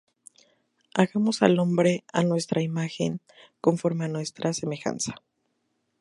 Hagamos al hombre á nuestra imagen, conforme á nuestra semejanza.